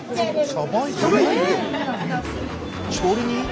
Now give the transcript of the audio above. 調理人？